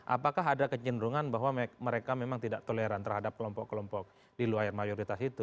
apakah ada kecenderungan bahwa mereka memang tidak toleran terhadap kelompok kelompok di luar mayoritas itu